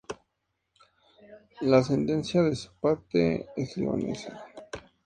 La ascendencia de su padre es libanesa.